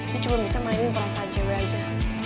dia cuma bisa mainin perasaan cewek aja